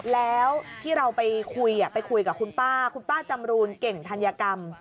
แล้วที่เราไปคุยไปคุยกับคุณป้าคุณป้าจำรูนเก่งธัญกรรม